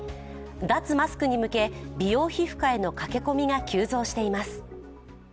脱マスクに向け美容皮膚科への駆け込みが急増しています。